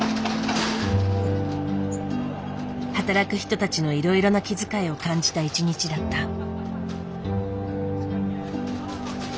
働く人たちのいろいろな気遣いを感じた一日だった。